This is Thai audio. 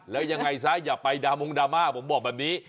แล้วยังไงซะอย่าไปดามงดราม่าผมบอกแบบนี้